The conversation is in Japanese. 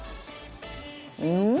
うん！